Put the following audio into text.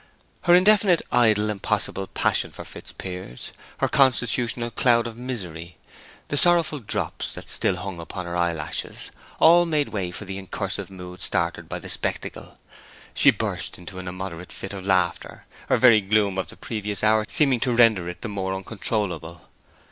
Her indefinite, idle, impossible passion for Fitzpiers; her constitutional cloud of misery; the sorrowful drops that still hung upon her eyelashes, all made way for the incursive mood started by the spectacle. She burst into an immoderate fit of laughter, her very gloom of the previous hour seeming to render it the more uncontrollable.